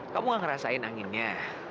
kamu gak ngerasain anginnya